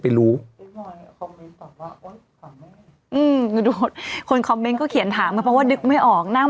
ไปรู้อืมคนคอมเม้นก็เขียนถามเพราะว่านึกไม่ออกหน้า